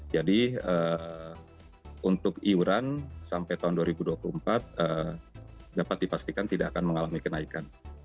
untuk iuran sampai tahun dua ribu dua puluh empat dapat dipastikan tidak akan mengalami kenaikan